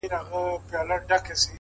اخلاص د عمل روح دی؛